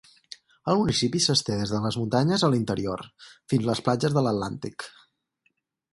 El municipi s'esté des les muntanyes a l'interior, fins a les platges de l'Atlàntic.